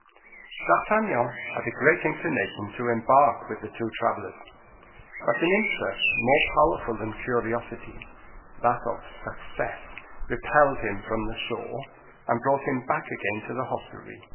D'Artagnan had a great inclination to embark with the two travelers, but an interest more powerful than curiosity—that of success—repelled him from the shore, and brought him back again to the hostelry.